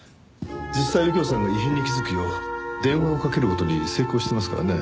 実際右京さんが異変に気づくよう電話をかける事に成功していますからね。